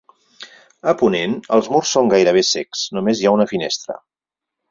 A ponent els murs són gairebé cecs, només hi ha una finestra.